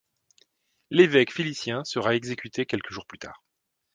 L’évêque Félicien sera exécuté quelques jours plus tard.